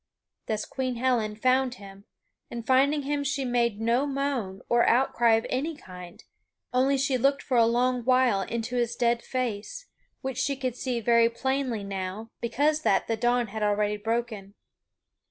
Thus Queen Helen found him, and finding him she made no moan or outcry of any kind, only she looked for a long while into his dead face, which she could see very plainly now, because that the dawn had already broken.